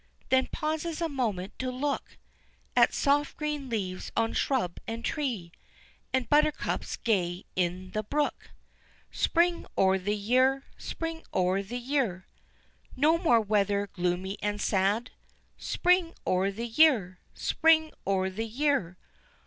_" Then pauses a moment to look At soft green leaves on shrub and tree, And buttercups gay in the brook. "Spring o' the year! Spring o' the year!" No more weather gloomy and sad, Spring o' the year! Spring o' the year!